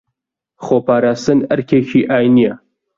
خۆپاراستن ئەرکێکی ئاینییە